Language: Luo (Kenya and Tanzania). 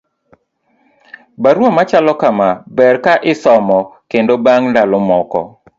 barua machalo kama ber ka isomo kendo bang' ndalo moko